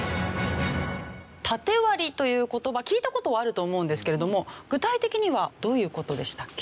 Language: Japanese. タテ割りという言葉聞いた事はあると思うんですけれども具体的にはどういう事でしたっけ？